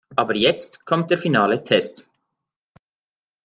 Aber jetzt kommt der finale Test.